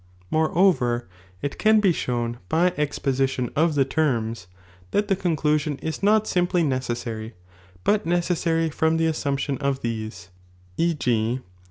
More oTCT, it can be shown by exposition ol' the terms, that the cmdosion is not simply necessary, but necessary from the momption of these, e. g.